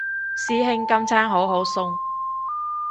師兄今餐好好餸